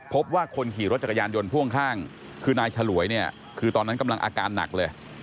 คนขี่รถจักรยานยนต์พ่วงข้างคือนายฉลวยเนี่ยคือตอนนั้นกำลังอาการหนักเลย